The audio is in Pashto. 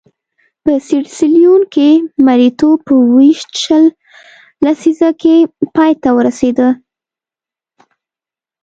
په سیریلیون کې مریتوب په ویشت شل لسیزه کې پای ته ورسېد.